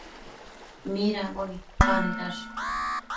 Midambo nidpanëdash?